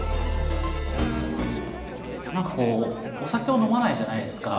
何かこうお酒を飲まないじゃないですか。